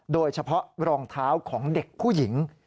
โดยเฉพาะรองเท้าของเด็กผู้หญิง